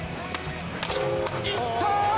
いったー！